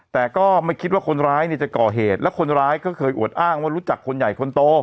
แต่ก็ไม่คิดว่าคนร้ายเนี่ยจะก่อเหตุและคนร้ายก็เคยอวดอ้างว่ารู้จักคนใหญ่คนโต